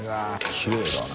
きれいだな。